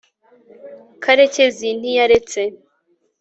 karekezi ntiyaretse